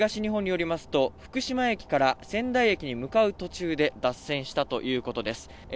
ＪＲ東日本によりますと福島駅から仙台駅に向かう途中で脱線したということです。